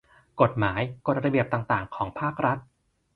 กฎหมาย กฎระเบียบต่างต่าง ของภาครัฐ